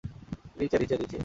নিচে, নিচে, নিচে!